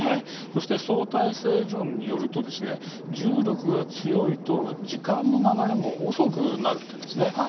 そして、相対性理論によると重力が強いと時間の流れも遅くなるというんです。